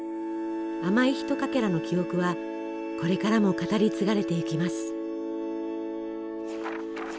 甘いひとかけらの記憶はこれからも語り継がれていきます。